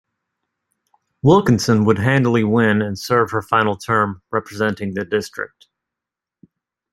Wilkinson would handily win and serve her final term representing the district.